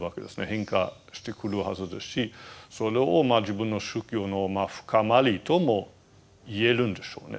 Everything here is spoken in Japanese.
変化してくるはずですしそれを自分の修行の深まりとも言えるんでしょうね。